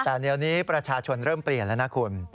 แต่เดี๋ยวนี้ประชาชนเริ่มเปลี่ยนแล้วนะคุณ